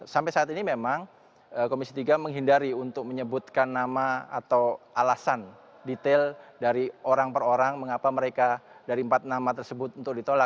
sampai saat ini memang komisi tiga menghindari untuk menyebutkan nama atau alasan detail dari orang per orang mengapa mereka dari empat nama tersebut untuk ditolak